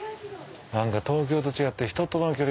何か東京と違って。